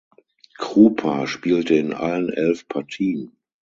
Krupa spielte in allen elf Partien.